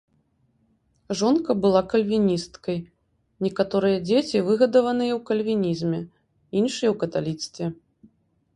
Жонка была кальвіністкай, некаторыя дзеці выгадаваныя ў кальвінізме, іншыя ў каталіцтве.